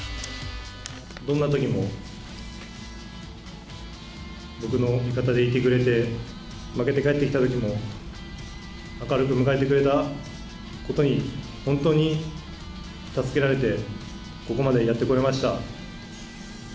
どんなときも、僕の味方でいてくれて、負けて帰ってきたときも、明るく迎えてくれたことに、本当に助けられて、ここまでやってこれました。